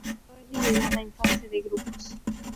Quedó eliminada en fase de grupos.